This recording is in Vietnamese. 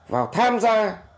vào tham gia